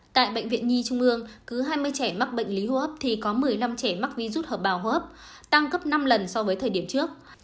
tại bệnh viện nhi trung ương cứ hai mươi trẻ mắc bệnh lý hô hấp thì có một mươi năm trẻ mắc virus hợp bào hô hấp tăng gấp năm lần so với thời điểm trước